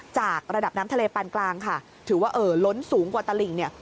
จากระดับน้ำทะเลปานกลางค่ะถือว่าเอ่อล้นสูงกว่าตลิ่งเนี่ย